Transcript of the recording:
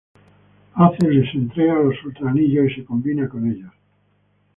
Ace les entrega los Ultra Anillos y se combinan con ellos.